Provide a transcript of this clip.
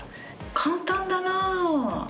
簡単だな。